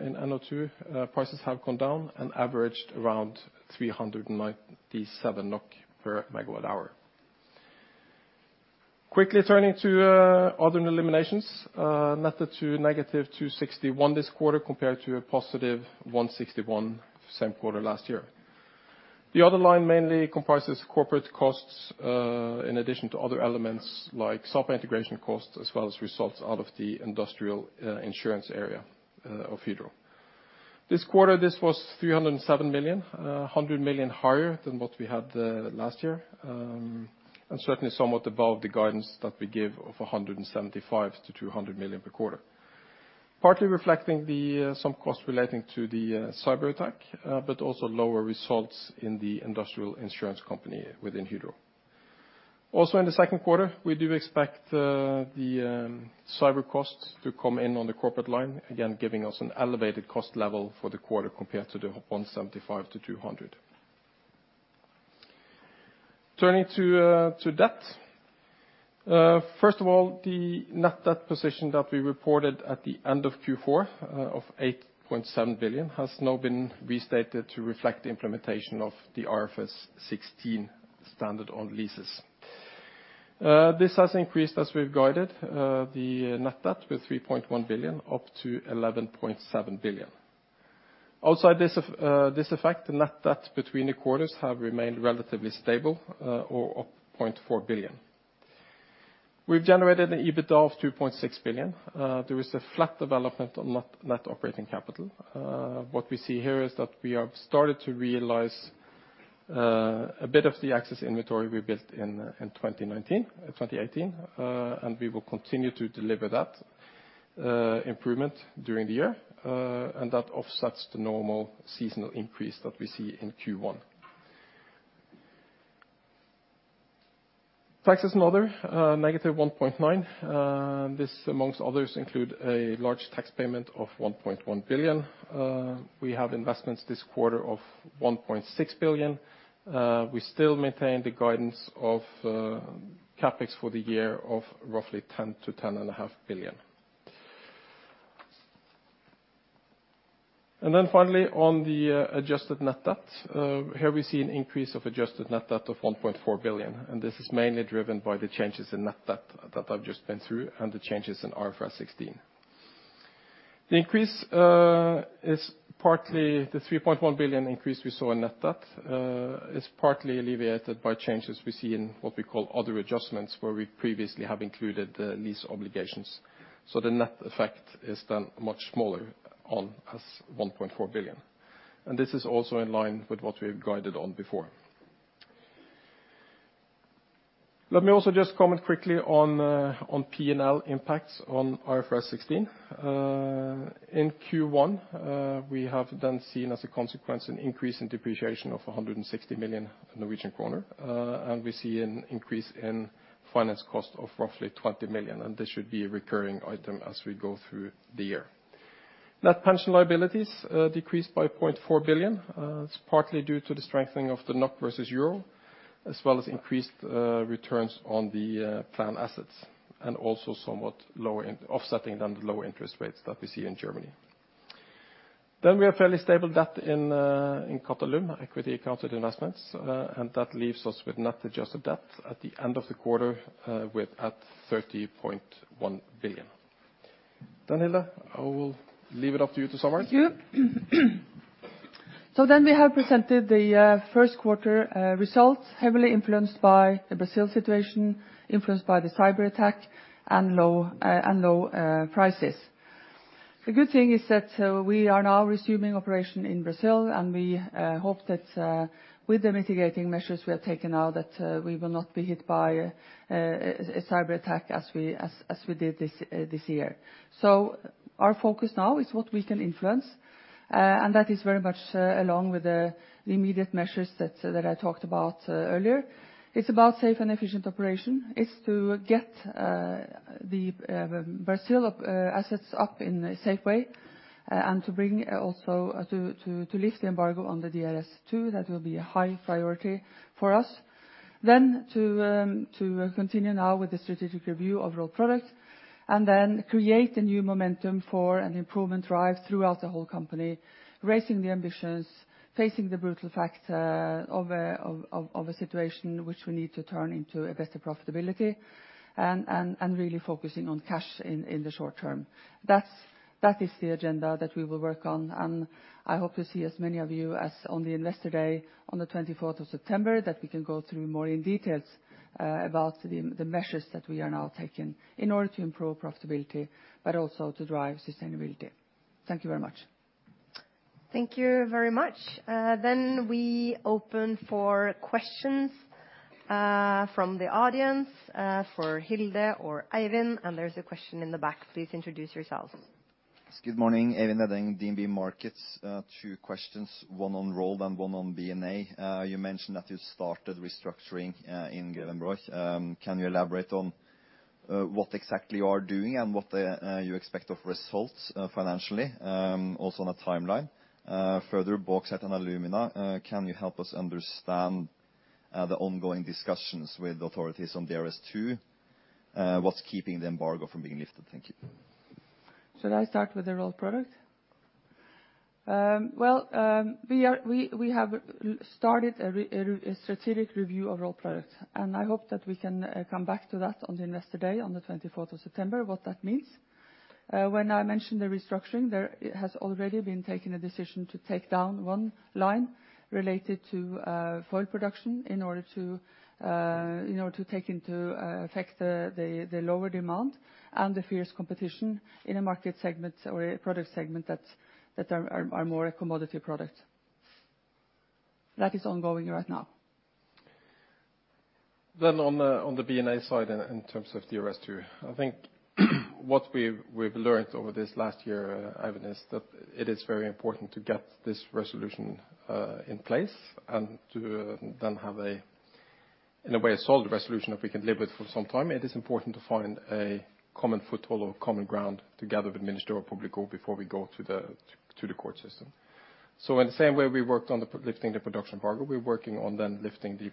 in NO2, prices have gone down and averaged around 397 NOK per megawatt hour. Quickly turning to other eliminations. Net to negative 261 this quarter compared to a positive 161 same quarter last year. The other line mainly comprises corporate costs, in addition to other elements like software integration costs, as well as results out of the industrial insurance area of Hydro. This quarter, this was 307 million, 100 million higher than what we had last year. Certainly somewhat above the guidance that we give of 175 million-200 million per quarter. Partly reflecting some cost relating to the cyber attack, but also lower results in the industrial insurance company within Hydro. Also, in the second quarter, we do expect the cyber costs to come in on the corporate line, again, giving us an elevated cost level for the quarter compared to the 175 million-200 million. Turning to debt. First of all, the net debt position that we reported at the end of Q4 of 8.7 billion has now been restated to reflect the implementation of the IFRS 16 standard on leases. This has increased as we've guided the net debt with 3.1 billion up to 11.7 billion. Outside this effect, the net debt between the quarters have remained relatively stable or up 0.4 billion. We've generated an EBITDA of 2.6 billion. There is a flat development on net operating capital. What we see here is that we have started to realize a bit of the access inventory we built in 2019 and 2018. We will continue to deliver that improvement during the year, that offsets the normal seasonal increase that we see in Q1. Taxes and other, negative 1.9 billion. This amongst others include a large tax payment of 1.1 billion. We have investments this quarter of 1.6 billion. We still maintain the guidance of CapEx for the year of roughly 10 billion-10.5 billion. Finally on the adjusted net debt. Here we see an increase of adjusted net debt of 1.4 billion, and this is mainly driven by the changes in net debt that I've just been through and the changes in IFRS 16. The 3.1 billion increase we saw in net debt is partly alleviated by changes we see in what we call other adjustments, where we previously have included the lease obligations. The net effect is then much smaller on 1.4 billion. This is also in line with what we've guided on before. Let me also just comment quickly on P&L impacts on IFRS 16. In Q1, we have then seen as a consequence an increase in depreciation of 160 million Norwegian kroner. We see an increase in finance cost of roughly 20 million, and this should be a recurring item as we go through the year. Net pension liabilities decreased by 0.4 billion. It's partly due to the strengthening of the NOK versus EUR, as well as increased returns on the plan assets, and also somewhat offsetting the low interest rates that we see in Germany. We have fairly stable debt in Qatalum equity accounted investments, and that leaves us with net adjusted debt at the end of the quarter with at 13.1 billion. Hilde, I will leave it up to you to summarize. Thank you. We have presented the first quarter results, heavily influenced by the Brazil situation, influenced by the cyber attack, and low prices. The good thing is that we are now resuming operation in Brazil, and we hope that with the mitigating measures we are taking now that we will not be hit by a cyber attack as we did this year. Our focus now is what we can influence. That is very much along with the immediate measures that I talked about earlier. It's about safe and efficient operation. It's to get the Brazil assets up in a safe way, and to lift the embargo on the DRS2. That will be a high priority for us. To continue now with the strategic review of Rolled Products, and then create a new momentum for an improvement drive throughout the whole company, raising the ambitions, facing the brutal fact of a situation which we need to turn into a better profitability, and really focusing on cash in the short term. That is the agenda that we will work on, and I hope to see as many of you as on the Investor Day on the 24th of September that we can go through more in details about the measures that we are now taking in order to improve profitability, but also to drive sustainability. Thank you very much. Thank you very much. We open for questions from the audience for Hilde or Eivind. There's a question in the back. Please introduce yourselves. Good morning. Eirik Melle, DNB Markets. Two questions, one on Rolled and one on B&A. You mentioned that you started restructuring in Grevenbroich. Can you elaborate on what exactly you are doing and what you expect of results financially, also on a timeline? Further, Bauxite & Alumina, can you help us understand the ongoing discussions with authorities on DRS2? What's keeping the embargo from being lifted? Thank you. Should I start with the Rolled Products? Well, we have started a strategic review of Rolled Products. I hope that we can come back to that on the Investor Day on the 24th of September, what that means. When I mentioned the restructuring, it has already been taken a decision to take down one line related to foil production in order to take into effect the lower demand and the fierce competition in a market segment or a product segment that are more a commodity product. That is ongoing right now. On the B&A side, in terms of DRS2, I think what we've learnt over this last year, Eivind, is that it is very important to get this resolution in place and to have, in a way, a solid resolution that we can live with for some time. It is important to find a common foothold or common ground together with Ministério Público before we go to the court system. In the same way we worked on lifting the production embargo, we're working on lifting the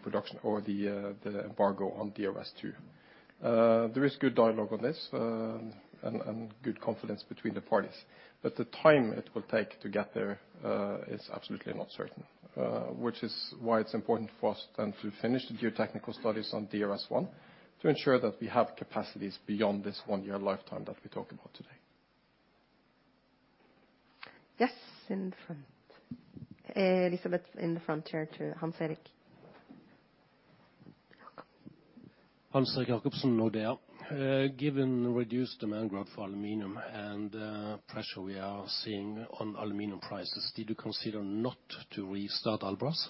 embargo on DRS2. There is good dialogue on this and good confidence between the parties, but the time it will take to get there is absolutely not certain, which is why it's important for us to finish the geotechnical studies on DRS1 to ensure that we have capacities beyond this one-year lifetime that we talk about today. Yes, in the front. Elisabeth in the front here to Hans-Erik. Welcome. Hans-Erik Jacobsen, Nordea. Given reduced demand growth for aluminum and pressure we are seeing on aluminum prices, did you consider not to restart Albras?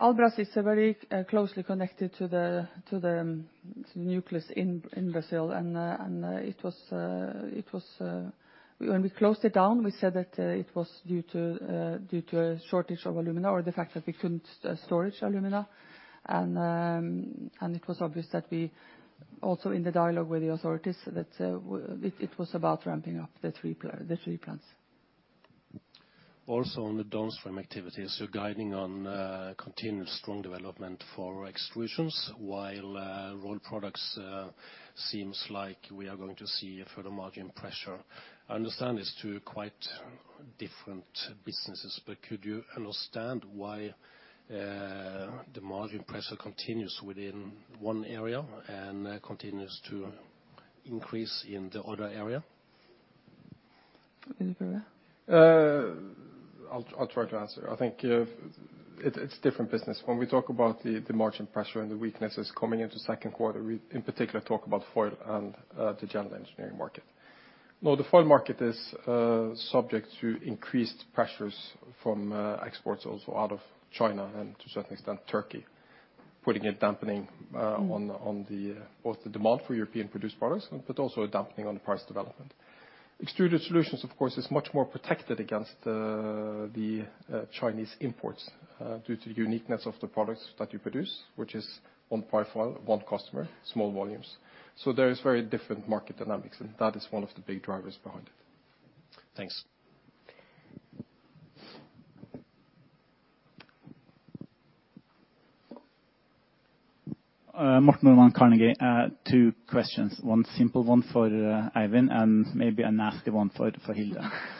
Albras is very closely connected to the nucleus in Brazil. When we closed it down, we said that it was due to a shortage of alumina or the fact that we couldn't storage alumina. It was obvious that we, also in the dialogue with the authorities, that it was about ramping up the three plants. On the downstream activities, you're guiding on continuous strong development for extrusions, while rolled products seems like we are going to see a further margin pressure. I understand it's two quite different businesses, but could you understand why the margin pressure continues within one area and continues to increase in the other area? Eivind? I'll try to answer. I think it's different business. When we talk about the margin pressure and the weaknesses coming into second quarter, we, in particular, talk about foil and the general engineering market. The foil market is subject to increased pressures from exports also out of China and to a certain extent, Turkey, putting a dampening on both the demand for European produced products but also a dampening on the price development. Extruded Solutions, of course, is much more protected against the Chinese imports due to the uniqueness of the products that you produce, which is one profile, one customer, small volumes. There is very different market dynamics, and that is one of the big drivers behind it. Thanks. Morten Normann, Carnegie. Two questions, one simple one for Eivind and maybe a nasty one for Hilde.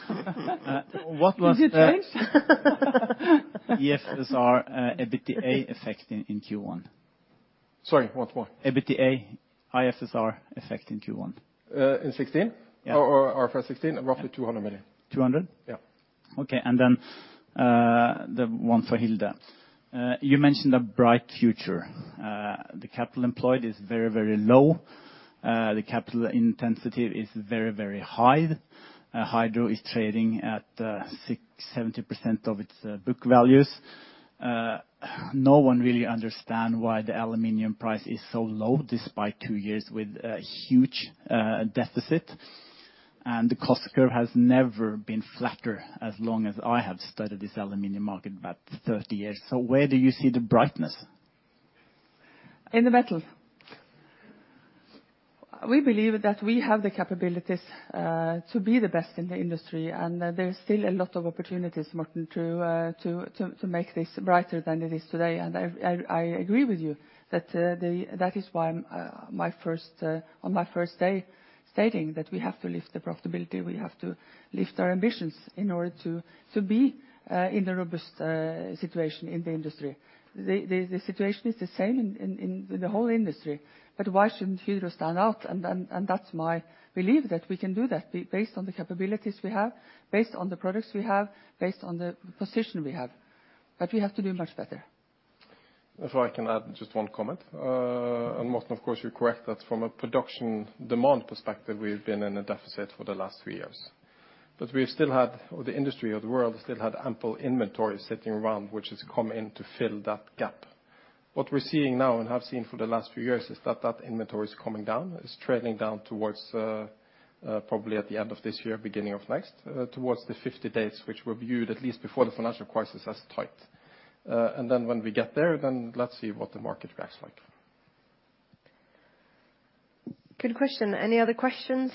Is it changed? IFRS 16 EBITDA effect in Q1? Sorry, what? EBITDA, IFRS 16 effect in Q1. In 2016? Yeah. For 2016? Yeah. Roughly 200 million. 200? Yeah. Okay, the one for Hilde. You mentioned a bright future. The capital employed is very low. The capital intensity is very high. Hydro is trading at 70% of its book values. No one really understand why the aluminum price is so low, despite two years with a huge deficit. The cost curve has never been flatter as long as I have studied this aluminum market, about 30 years. Where do you see the brightness? In the metal. We believe that we have the capabilities to be the best in the industry, there is still a lot of opportunities, Morten, to make this brighter than it is today. I agree with you, that is why on my first day stating that we have to lift the profitability, we have to lift our ambitions in order to be in the robust situation in the industry. The situation is the same in the whole industry, why shouldn't Hydro stand out? That's my belief that we can do that based on the capabilities we have, based on the products we have, based on the position we have. We have to do much better. If I can add just one comment, Morten, of course, you're correct that from a production demand perspective, we've been in a deficit for the last three years. We've still had, or the industry or the world still had ample inventory sitting around, which has come in to fill that gap. What we're seeing now and have seen for the last few years is that that inventory is coming down. It's trailing down towards, probably at the end of this year, beginning of next, towards the 50 days, which were viewed at least before the financial crisis as tight. When we get there, then let's see what the market acts like. Good question. Any other questions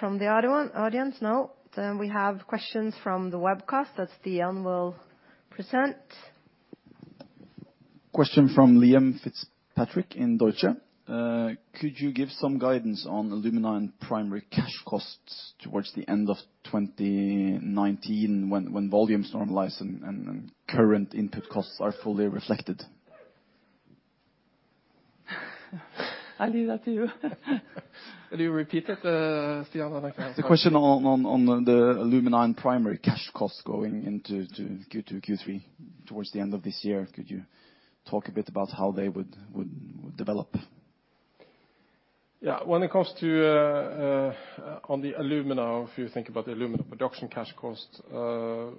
from the audience? No. We have questions from the webcast that Stian will present. Question from Liam Fitzpatrick in Deutsche. Could you give some guidance on alumina and primary cash costs towards the end of 2019 when volumes normalize and current input costs are fully reflected? I leave that to you. Can you repeat it, Stian? I'd like to answer. The question on the alumina and primary cash costs going into Q2, Q3, towards the end of this year. Could you talk a bit about how they would develop? Yeah. On the alumina, if you think about the alumina production cash cost, let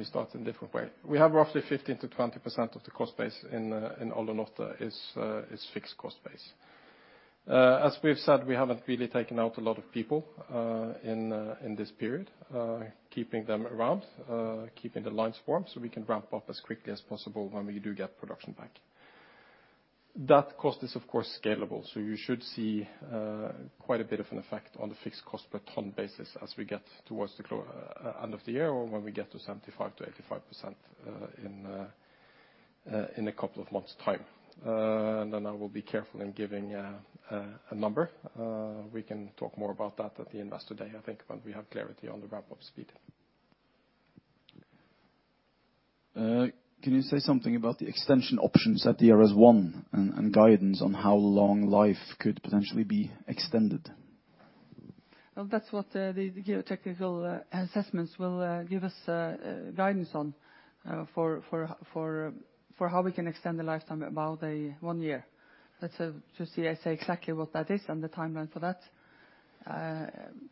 me start in a different way. We have roughly 15%-20% of the cost base in Alunorte is fixed cost base. As we've said, we haven't really taken out a lot of people in this period, keeping them around, keeping the lines warm so we can ramp up as quickly as possible when we do get production back. That cost is, of course, scalable. You should see quite a bit of an effect on the fixed cost per ton basis as we get towards the end of the year or when we get to 75%-85% in a couple of months' time. I will be careful in giving a number. We can talk more about that at the Investor Day, I think, when we have clarity on the ramp-up speed. Can you say something about the extension options at the DRS1 and guidance on how long life could potentially be extended? Well, that's what the geotechnical assessments will give us guidance on for how we can extend the lifetime about one year. That's to see, I say, exactly what that is and the timeline for that.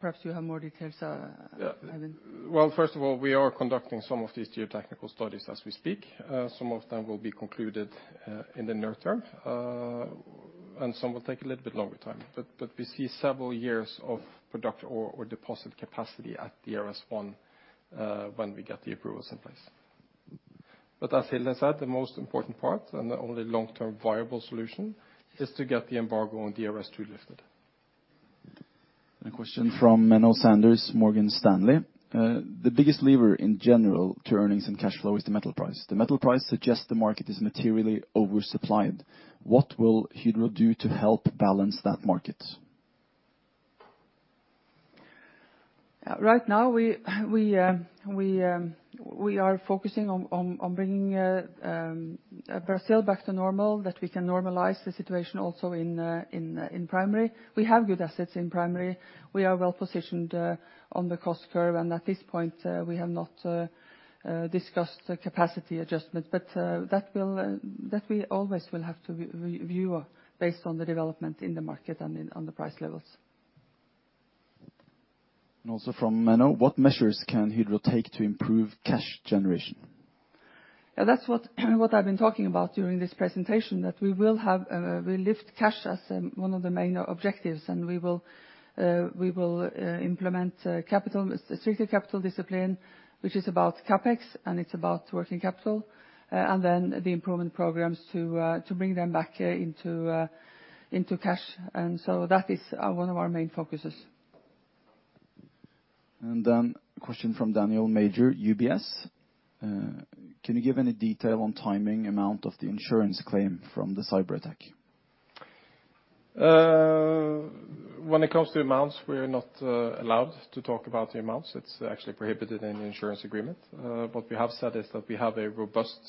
Perhaps you have more details, Eivind. Yeah. Well, first of all, we are conducting some of these geotechnical studies as we speak. Some of them will be concluded in the near term, and some will take a little bit longer time. We see several years of product or deposit capacity at the DRS1 when we get the approvals in place. But as Hilde said, the most important part and the only long-term viable solution is to get the embargo on DRS2 lifted. A question from Menno Sanders, Morgan Stanley. The biggest lever in general to earnings and cash flow is the metal price. The metal price suggests the market is materially oversupplied. What will Hydro do to help balance that market? Right now, we are focusing on bringing Brazil back to normal, that we can normalize the situation also in primary. We have good assets in primary. We are well positioned on the cost curve, and at this point, we have not discussed capacity adjustment. That we always will have to review based on the development in the market and on the price levels. From Menno, what measures can Hydro take to improve cash generation? That's what I've been talking about during this presentation, that we lift cash as one of the main objectives. We will implement stricter capital discipline, which is about CapEx, and it's about working capital, and then the improvement programs to bring them back into cash. That is one of our main focuses. A question from Daniel Major, UBS. Can you give any detail on timing amount of the insurance claim from the cyber attack? When it comes to amounts, we are not allowed to talk about the amounts. It's actually prohibited in the insurance agreement. What we have said is that we have a robust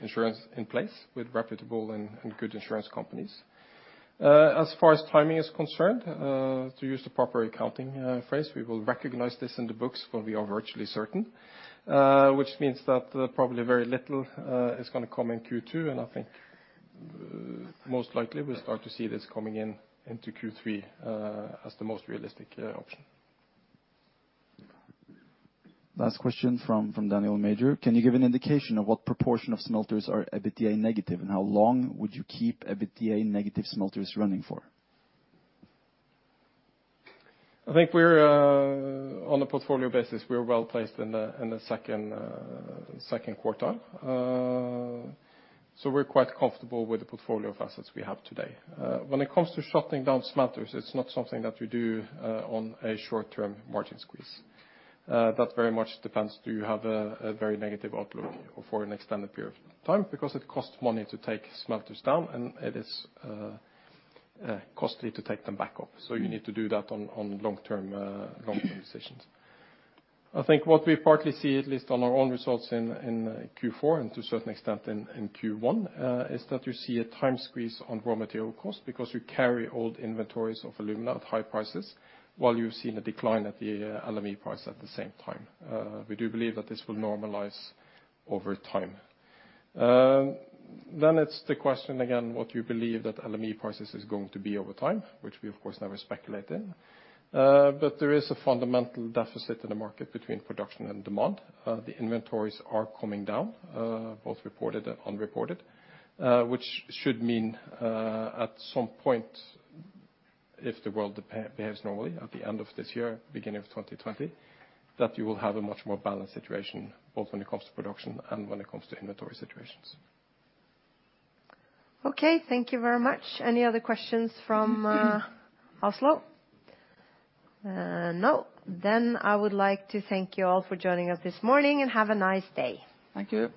insurance in place with reputable and good insurance companies. As far as timing is concerned, to use the proper accounting phrase, we will recognize this in the books when we are virtually certain, which means that probably very little is going to come in Q2, and I think most likely we'll start to see this coming into Q3 as the most realistic option. Last question from Daniel Major. Can you give an indication of what proportion of smelters are EBITDA negative, and how long would you keep EBITDA negative smelters running for? I think on a portfolio basis, we are well-placed in the second quarter. We're quite comfortable with the portfolio of assets we have today. When it comes to shutting down smelters, it's not something that we do on a short-term margin squeeze. That very much depends. Do you have a very negative outlook for an extended period of time? It costs money to take smelters down, and it is costly to take them back up. You need to do that on long-term decisions. I think what we partly see, at least on our own results in Q4 and to a certain extent in Q1, is that you see a time squeeze on raw material cost you carry old inventories of alumina at high prices while you've seen a decline at the LME price at the same time. We do believe that this will normalize over time. It's the question again, what you believe that LME prices is going to be over time, which we, of course, never speculate in. There is a fundamental deficit in the market between production and demand. The inventories are coming down, both reported and unreported, which should mean at some point, if the world behaves normally, at the end of this year, beginning of 2020, that you will have a much more balanced situation, both when it comes to production and when it comes to inventory situations. Okay. Thank you very much. Any other questions from Oslo? No. I would like to thank you all for joining us this morning, and have a nice day. Thank you.